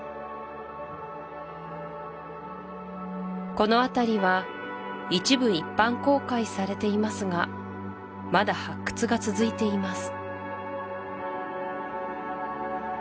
この辺りは一部一般公開されていますがまだ発掘が続いています